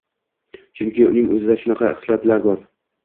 Chunki uning o‘zida shunaqa xislat bor.